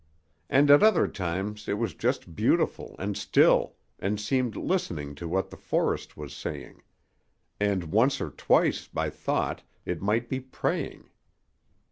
And at other times it was just beautiful and still, and seemed listening to what the forest was saying and once or twice, I thought, it might be praying.